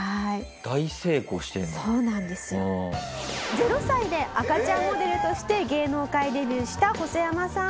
０歳で赤ちゃんモデルとして芸能界デビューしたホソヤマさん。